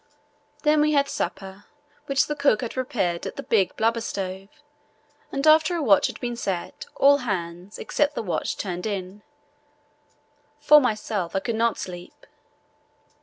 Then we had supper, which the cook had prepared at the big blubber stove, and after a watch had been set all hands except the watch turned in." For myself, I could not sleep.